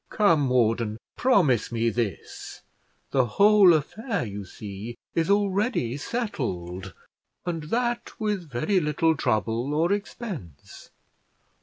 Come, warden, promise me this. The whole affair, you see, is already settled, and that with very little trouble or expense.